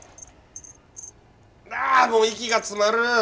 あもう息が詰まる！